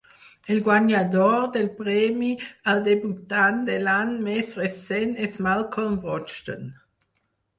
El guanyador del premi al Debutant de l'any més recent és Malcolm Brogdon.